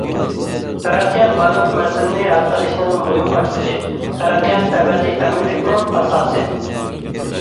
تەرەققىيات بارلىق مەسىلىنى ھەل قىلىشنىڭ مۇھىم ئاچقۇچى، تەرەققىيات ئەبەدىي ئەمىنلىكنىڭ ئاساسى.